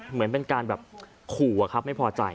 เหมือนเป็นการแบบขู่อะครับไม่พอใจ